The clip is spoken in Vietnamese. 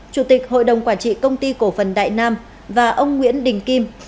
chủ tịch hội đồng quản trị công ty cổ phần đại nam và ông nguyễn đình kim